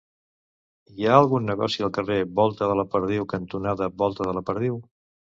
Hi ha algun negoci al carrer Volta de la Perdiu cantonada Volta de la Perdiu?